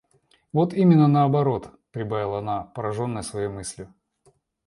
Вот именно наоборот, — прибавила она, пораженная своею мыслью.